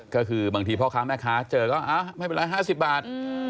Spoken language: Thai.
ก็คือบางทีพ่อค้าแม่ค้าเจอก็ไม่เป็นไร๕๐บาท